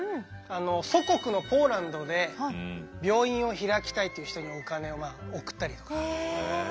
祖国のポーランドで病院を開きたいっていう人にお金を送ったりとか。